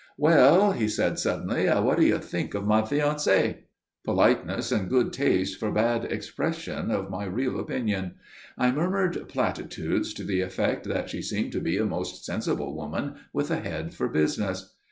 "Well," said he, suddenly, "what do you think of my fiancée?" Politeness and good taste forbade expression of my real opinion. I murmured platitudes to the effect that she seemed to be a most sensible woman, with a head for business.